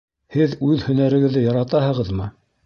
Һеҙ үҙ һәнәрегеҙҙе яратаһығыҙмы?